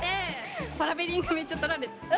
トラベリングめっちゃ取られて。